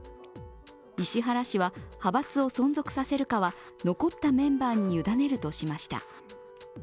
石原氏は、派閥を存続させるかは残ったメンバーに委ねるとしました。